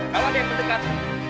kalau ada yang mendekat